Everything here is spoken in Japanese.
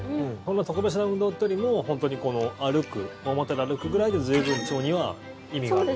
特別な運動っていうよりも大股で歩くくらいで随分、腸には意味がある？